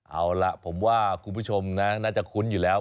เอาล่ะผมว่าคุณผู้ชมนะน่าจะคุ้นอยู่แล้ว